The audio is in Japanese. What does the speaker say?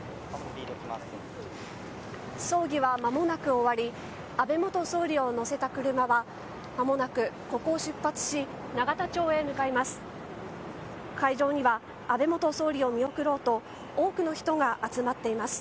葬儀はまもなく終わり安倍元総理を乗せた車は間もなくここを出発し永田町へ向かいます。